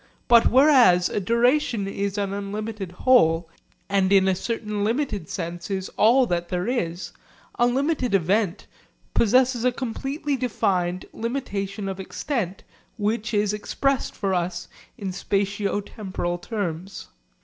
But whereas a duration is an unlimited whole and in a certain limited sense is all that there is, a limited event possesses a completely defined limitation of extent which is expressed for us in spatio temporal terms.